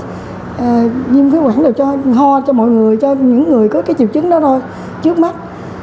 diêm khí quản đều cho hoa cho mọi người cho những người có cái triệu chứng đó thôi trước mắt